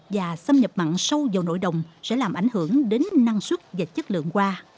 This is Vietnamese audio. và xâm nhập mặn sâu vào nội đồng sẽ làm ảnh hưởng đến năng suất và chất lượng hoa